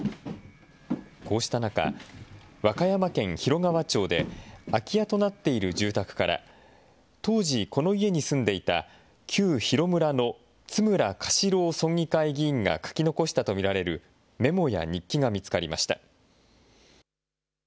こうした中、和歌山県広川町で空き家となっている住宅から、当時、この家に住んでいた旧廣村の津村嘉四郎村議会議員が書き残したと見られるメモや日記が見つかりました。